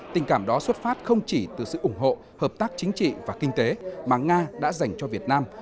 tình cảm đó xuất phát không chỉ từ sự ủng hộ hợp tác chính trị và kinh tế mà nga đã dành cho việt nam